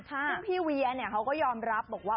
ซึ่งพี่เวียเขาก็ยอมรับบอกว่า